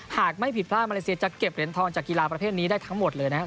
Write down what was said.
หากไม่ผิดพลาดมาเลเซียจะเก็บเหรียญทองจากกีฬาประเภทนี้ได้ทั้งหมดเลยนะครับ